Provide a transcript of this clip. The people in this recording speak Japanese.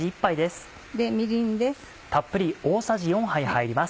みりんです。